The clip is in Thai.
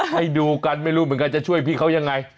ให้ดูกันไม่รู้เหมือนกันจะช่วยพี่เขายังไง